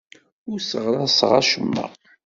Ur sseɣraseɣ acemma.